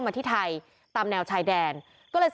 นำนำนำนำ